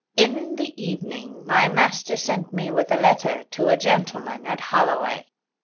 In the evening my master sent me with a letter to a gentleman at Holloway.